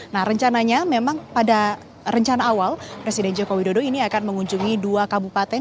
nah rencananya memang pada rencana awal presiden joko widodo ini akan mengunjungi dua kabupaten